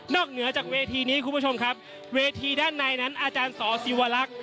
เหนือจากเวทีนี้คุณผู้ชมครับเวทีด้านในนั้นอาจารย์สอศิวลักษณ์